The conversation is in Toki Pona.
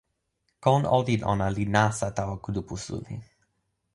kon olin ona li nasa tawa kulupu suli.